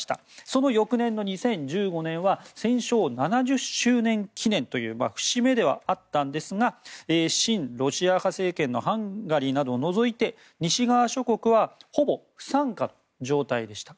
その翌年の２０１５年は戦勝７０周年記念の節目ではあったんですが親ロシア派政権のハンガリーなどを除いて西側諸国はほぼ不参加の状態でした。